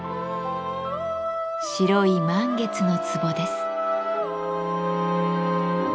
白い満月の壺です。